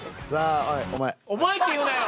「お前」って言うなよ